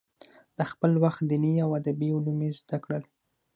د خپل وخت دیني او ادبي علوم یې زده کړل.